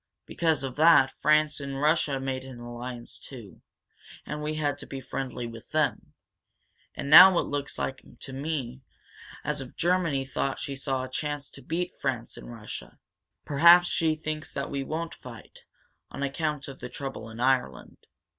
Because of that France and Russia made an alliance, too, and we had to be friendly with them. And now it looks to me as if Germany thought she saw a chance to beat France and Russia. Perhaps she thinks that we won't fight, on account of the trouble in Ireland.